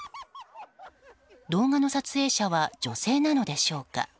動画の撮影者は女性なのでしょうか。